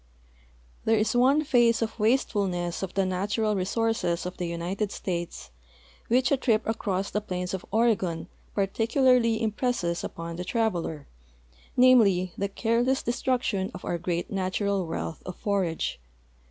There is one phase of wastefulness of the natural resources of the United States which a trip across the plains of Oregon par ticularly impresses upon the traveler, namely, the careless de struction of our great natural wealth of forage.